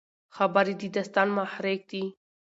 خبرې د داستان محرک دي.